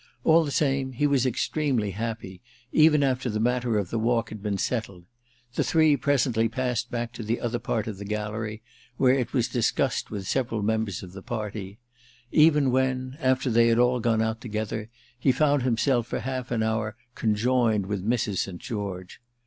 All the same he was extremely happy, even after the matter of the walk had been settled—the three presently passed back to the other part of the gallery, where it was discussed with several members of the party; even when, after they had all gone out together, he found himself for half an hour conjoined with Mrs. St. George.